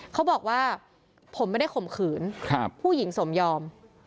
เขาบอกว่าผมไม่ได้ข่มขืนผู้หญิงสมยอม